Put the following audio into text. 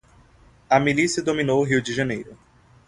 A milícia dominou o Rio de Janeiro